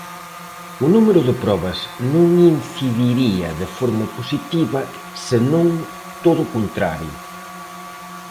O número de probas non incidiría de forma positiva, senón todo o contrario.